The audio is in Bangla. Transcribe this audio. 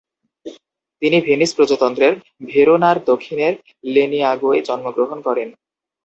তিনি ভেনিস প্রজাতন্ত্রের ভেরোনার দক্ষিণের লেনিয়াগোয় জন্মগ্রহণ করেন।